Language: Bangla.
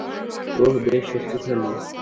ওহ, ও বেশ শক্তিশালী।